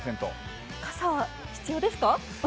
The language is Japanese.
傘、必要ですか？